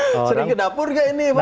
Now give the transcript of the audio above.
sering ke dapur gak ini fadli